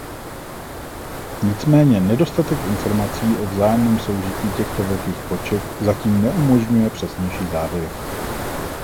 Nicméně nedostatek informací o vzájemném soužití těchto velkých koček zatím neumožňuje přesnější závěry.